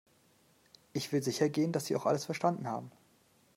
Ich will sicher gehen, dass Sie auch alles verstanden haben.